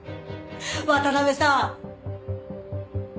渡辺さん。